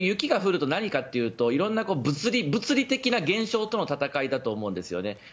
やっぱり、雪が降ると何かっていうといろんな物理的な現象との戦いだと思うんですよね。